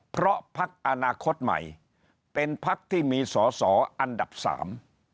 เพราะพักอนาคตใหม่เป็นพักที่มีสอสออันดับสาม